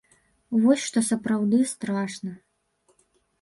Вось што сапраўды страшна.